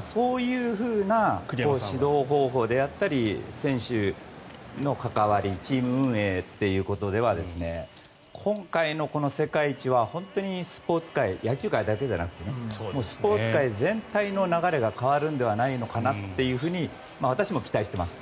そういうふうな指導方法であったり選手の関わりチーム運営ということでは今回のこの世界一は本当にスポーツ界野球界だけじゃなくてスポーツ界全体の流れが変わるのではないのかなと私も期待しています。